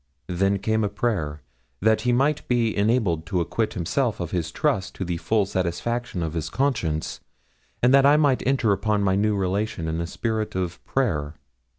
Then came a prayer that he might be enabled to acquit himself of his trust to the full satisfaction of his conscience, and that I might enter upon my new relations in a spirit of prayer.